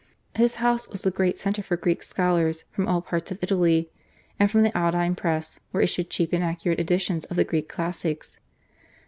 His house was the great centre for Greek scholars from all parts of Italy, and from the Aldine Press were issued cheap and accurate editions of the Greek classics.